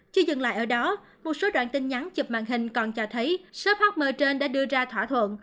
chưa dừng lại ở đó một số đoạn tin nhắn chụp mạng hình còn cho thấy sớp hm trên đã đưa ra thỏa thuận